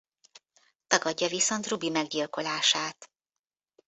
Tagadja viszont Ruby meggyilkolását.